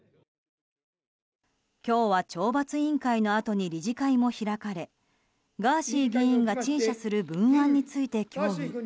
今日は懲罰委員会のあとに理事会も開かれガーシー議員が陳謝する文案について協議。